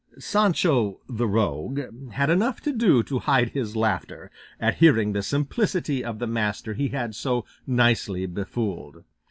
Sancho, the rogue, had enough to do to hide his laughter, at hearing the simplicity of the master he had so nicely befooled.